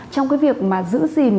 trong cái việc mà giữ gìn